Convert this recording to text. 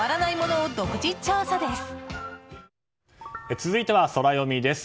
続いてはソラよみです。